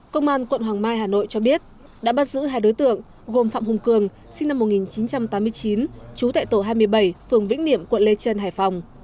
công an quận hoàng mai hà nội cho biết đã bắt giữ hai đối tượng gồm phạm hùng cường sinh năm một nghìn chín trăm tám mươi chín trú tại tổ hai mươi bảy phường vĩnh niệm quận lê trân hải phòng